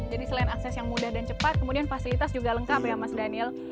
jadi selain akses yang mudah dan cepat kemudian fasilitas juga lengkap ya mas daniel